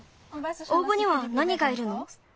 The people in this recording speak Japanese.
おうぼにはなにがいるの？